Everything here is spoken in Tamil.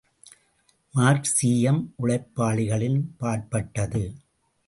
மார்க்சீயம் உழைப்பாளிகளின் பாற்பட்டது.